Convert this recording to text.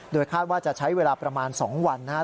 คาดว่าจะใช้เวลาประมาณ๒วันนะครับ